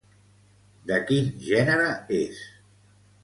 De quin gènere és?